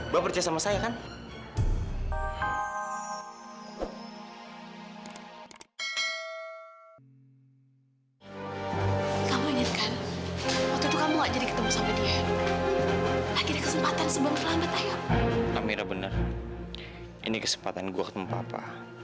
benar benar ini kesempatan gue ketemu papa